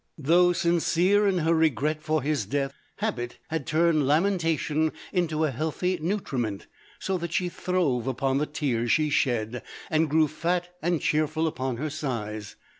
Though sincere in her iv gret for his death, habit had turned lamenta tion into a healthy nutriment, so that she throve upon the tears she shed, and grew fat and cheer ful upon her sighs.